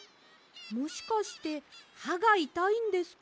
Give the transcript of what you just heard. もしかしてはがいたいんですか？